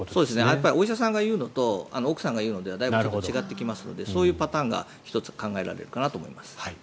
やっぱりお医者さんが言うのと奥さんが言うのではだいぶ違ってきますのでそういうパターンが１つ考えられると思います。